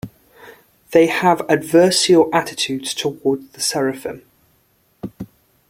They have adversarial attitudes toward the Seraphim.